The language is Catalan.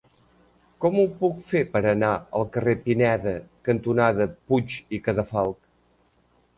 Com ho puc fer per anar al carrer Pineda cantonada Puig i Cadafalch?